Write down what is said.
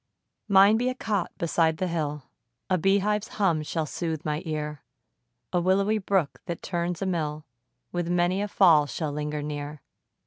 Mine be a cot beside the hill, A bee hive's hum shall sooth my ear; A willowy brook, that turns a mill, With many a fall shall linger near.